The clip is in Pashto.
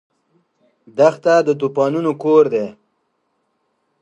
دښته د طوفانونو کور دی.